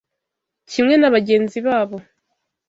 kimwe na bagenzi babo